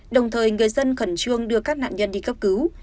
đồng thời người dân khẩn trương đưa các nạn nhân đi cấp cứu